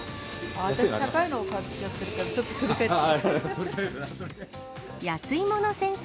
私高いの買っちゃってるから、ちょっと取り替えてきます。